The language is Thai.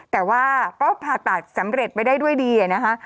แต่ว่าก็ผ่าตัดสำเร็จไปได้ด้วยดีนะคะ